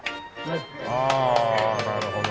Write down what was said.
ああなるほど。